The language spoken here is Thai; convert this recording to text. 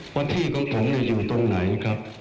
ว่าที่ของผมอยู่ตรงไหนครับ